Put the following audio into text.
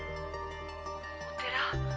「お寺」